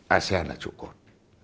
asean là trụ cột